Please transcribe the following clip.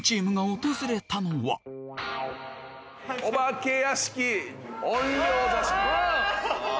一方お化け屋敷怨霊座敷。